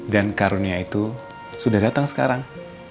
dan karunia itu sudah datang sekarang